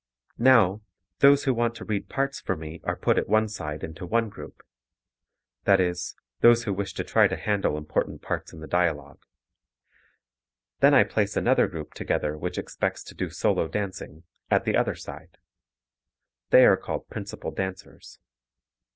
Now, those who want to read parts for me are put at one side into one group; that is, those who wish to try to handle important parts in the dialogue. Then I place another group together which expects to do solo dancing at the other side. They are called principal dancers.